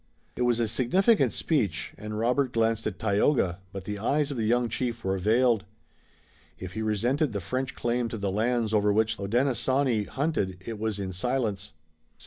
It was a significant speech, and Robert glanced at Tayoga, but the eyes of the young chief were veiled. If he resented the French claim to the lands over which the Hodenosaunee hunted it was in silence. St.